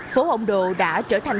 phố ông đồ đã trở thành